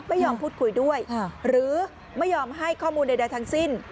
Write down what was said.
ไม่ยอมพูดคุยด้วยหรือไม่ยอมให้ข้อมูลใดทั้งสิ้น